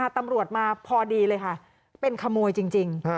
ตำรวจมาพอดีเลยค่ะเป็นขโมยจริง